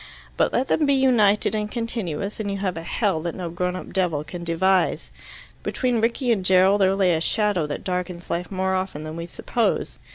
But let them be united and continuous, and you have a hell that no grown up devil can devise. Between Rickie and Gerald there lay a shadow that darkens life more often than we suppose.